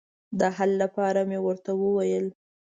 د حل لپاره مې ورته وویل.